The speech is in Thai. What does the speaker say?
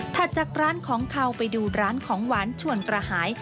จากร้านของเขาไปดูร้านของหวานชวนกระหาย